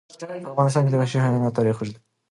په افغانستان کې د وحشي حیوانات تاریخ اوږد دی.